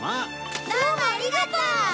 どうもありがとう！